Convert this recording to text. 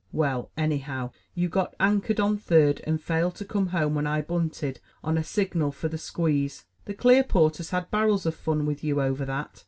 "Well, anyhow, you got anchored on third and failed to come home when I bunted on a signal for the squeeze. The Clearporters had barrels of fun with you over that.